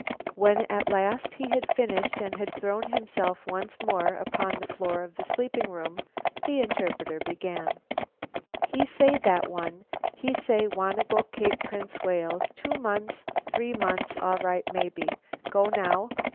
When at last he had finished and had thrown himself once more upon the floor of the sleeping room, the interpreter began: "He say, that one, he say, 'Wanna go Cape Prince Wales two month, three month, all right, maybe. Go now?